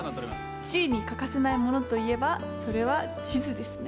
地理に欠かせないものといえばそれは地図ですね。